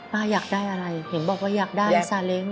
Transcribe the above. อยากได้อะไรเห็นบอกว่าอยากได้ซาเล้ง